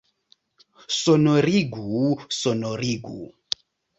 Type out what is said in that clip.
Sonorigu, sonorigu!